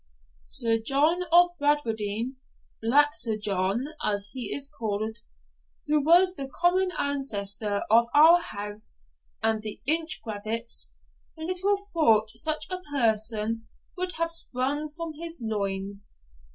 Sir John of Bradwardine Black Sir John, as he is called who was the common ancestor of our house and the Inch Grabbits, little thought such a person would have sprung from his loins.